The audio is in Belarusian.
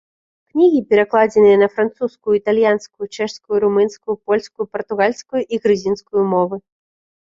Кнігі перакладзены на французскую, італьянскую, чэшскую, румынскую, польскую, партугальскую і грузінскую мовы.